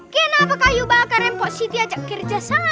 kenapa kaya bakar em positi ajak kerjasama